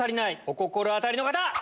お心当たりの方！